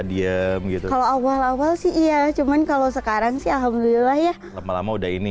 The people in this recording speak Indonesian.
diem gitu kalau awal awal sih iya cuman kalau sekarang sih alhamdulillah ya lama lama udah ini